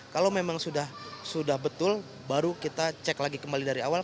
kalau memang sudah betul baru kita cek lagi kembali dari awal